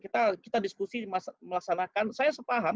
kita diskusi melaksanakan saya sepaham